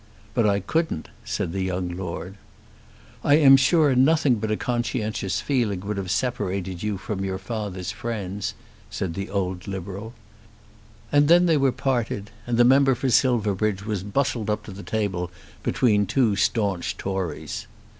"But I couldn't," said the young Lord. "I am sure nothing but a conscientious feeling would have separated you from your father's friends," said the old Liberal. And then they were parted, and the member for Silverbridge was bustled up to the table between two staunch Tories.